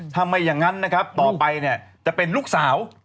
ถ้าไม่อย่างนั้นต่อไปจะเป็นลูกสาว